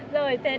rồi tên em là